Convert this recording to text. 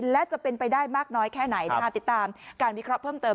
และจะเป็นไปได้มากน้อยแค่ไหนนะคะติดตามการวิเคราะห์เพิ่มเติม